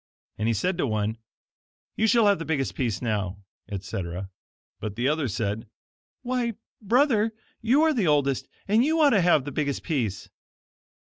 And he said to one: "You shall have the biggest piece now," etc. But the other said: "Why, brother, you are the oldest, and you ought to have the biggest piece."